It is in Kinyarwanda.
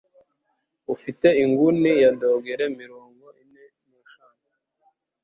ufite inguni ya dogere mirongo ine n’eshanu